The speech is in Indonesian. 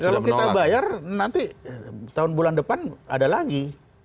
kalau kita bayar nanti tahun bulan depan ada lagi